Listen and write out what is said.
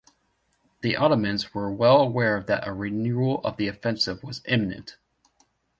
The Ottomans were well aware that a renewal of the offensive was imminent.